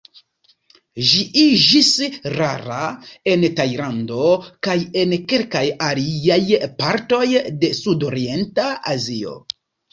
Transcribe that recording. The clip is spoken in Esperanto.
Ĝi iĝis rara en Tajlando kaj en kelkaj aliaj partoj de sudorienta Azio.